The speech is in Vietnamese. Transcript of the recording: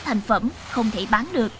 thành phẩm không thể bán được